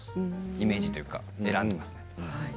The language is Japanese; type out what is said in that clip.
イメージというか選んでいます。